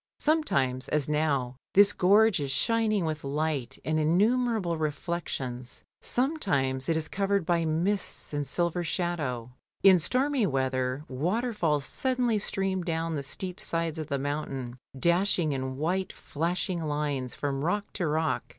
Sometimes, as now, this gorge is shining with light and innumerable reflections, sometimes it is covered by mists and silver shadow. In stormy weather waterfalls suddenly stream down the steep sides of the mountain, dashing in white flashing lines from rock to rock.